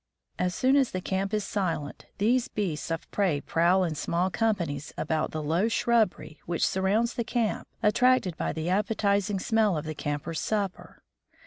As soon as the camp is silent these beasts of prey prowl in small companies about the low shrubbery which surrounds the camp attracted by the appetizing smell of the campers' supper.